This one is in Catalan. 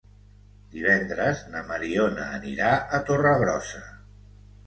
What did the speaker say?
Divendres na Mariona anirà a Torregrossa.